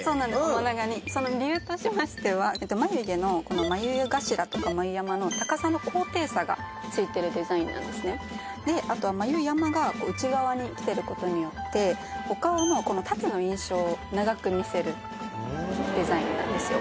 面長にその理由としましては眉毛のこの眉頭とか眉山の高さの高低差がついてるデザインなんですねであとはことによってお顔の縦の印象を長く見せるデザインなんですよ